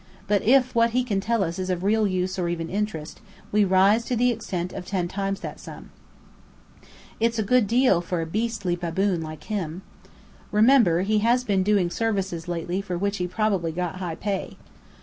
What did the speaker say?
But if what he can tell us is of real use or even interest, we rise to the extent of ten times that sum." "It's a good deal for a beastly baboon like him." "Remember, he has been doing services lately for which he probably got high pay."